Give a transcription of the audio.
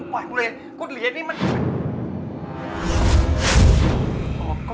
มันนี่ไอ้บอส